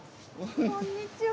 こんにちは。